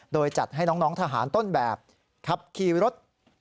โดยจัดให้น้องทหารต้นแบบขับขี่รถ